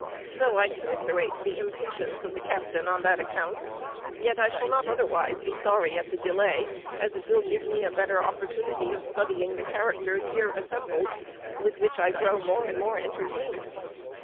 Though I commiserate the impatience of the captain on that account, yet I shall not otherwise be sorry at the delay, as it will give me a better opportunity of studying the characters here assembled, with which I grow more and more entertained.